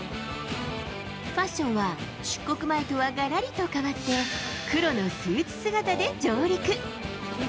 ファッションは、出国前とはがらりと変わって、黒のスーツ姿で上陸。